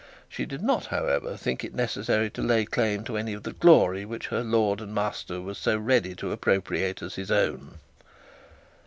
She did not, however, think it necessary to lay claim to any of the glory which her lord and master was so ready to appropriate as his own.